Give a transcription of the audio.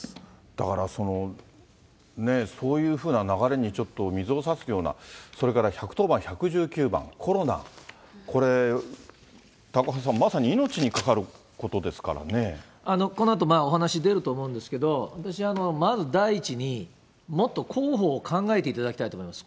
だから、そういうふうな流れに、ちょっと水をさすような、それから１１０番、１１９番、コロナ、これ、高岡さん、まさに命にこのあと、お話出ると思うんですけど、私、まず第一に、もっと広報を考えていただきたいと思います。